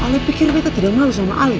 lo pikir lo tidak malu sama alif